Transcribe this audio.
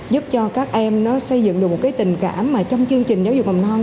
giúp cho các em nó xây dựng được một cái tình cảm mà trong chương trình giáo dục mầm non